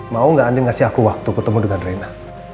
mau gak andin kasih aku waktu ketemu dengan rena